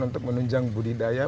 untuk menunjang budidaya